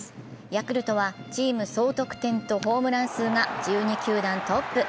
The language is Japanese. ヤクルトはチーム総得点とホームラン数が１２球団トップ。